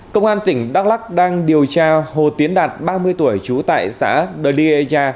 công an tỉnh đắk lắc đang điều tra hồ tiến đạt ba mươi tuổi trú tại xã đờ đi e gia